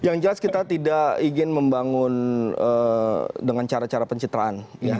yang jelas kita tidak ingin membangun dengan cara cara pencitraan